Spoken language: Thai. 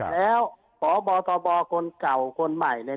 แล้วพบตบคนเก่าคนใหม่เนี่ย